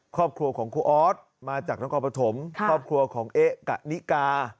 ครอบครัวของครูออสมาจากนครปฐมครอบครัวของเอ๊ะกะนิกา